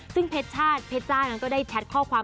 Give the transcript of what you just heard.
ซึ่งเพชรชาติเพชรจ้านั้นก็ได้แชทข้อความ